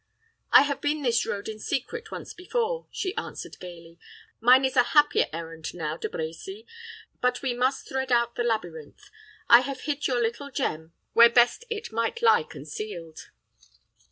"I have been this road in secret once before," she answered, gayly. "Mine is a happier errand now, De Brecy. But we must thread out the labyrinth. I have hid your little gem where best it might lie concealed."